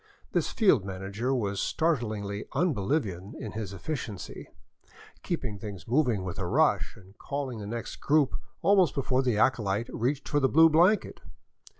This field manager was startlingly un Bolivian in efficiency, keeping things moving with a rush, and calling the next group almost before the acolyte reached for the blue blanket.